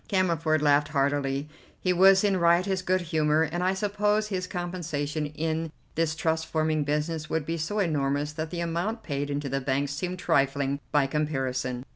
Cammerford laughed heartily; he was in riotous good humour, and I suppose his compensation in this trust forming business would be so enormous that the amount paid into the bank seemed trifling by comparison.